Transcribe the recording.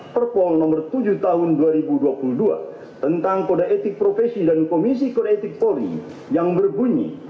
perpol nomor tujuh tahun dua ribu dua puluh dua tentang kode etik profesi dan komisi kode etik polri yang berbunyi